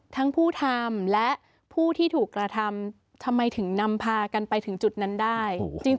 ทั้งผู้ทำและผู้ที่ถูกกระทำทำไมถึงนำพากันไปถึงจุดนั้นได้